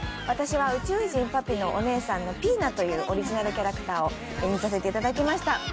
私は宇宙人パピのお姉さんのピイナというオリジナルキャラクターを演じさせて頂きました。